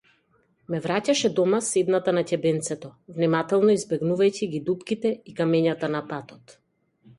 Ме враќаше дома седната на ќебенцето, внимателно избегнувајќи ги дупките и камењата на патот.